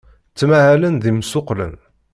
Ttmahalen d imsuqqlen.